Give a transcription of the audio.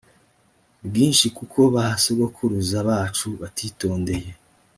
bwinshi kuko ba sogokuruza bacu batitondeye